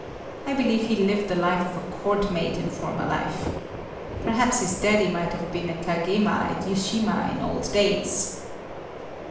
I believe he lived the life of a court maid in former life. Perhaps his daddy might have been a kagema at Yushima in old days."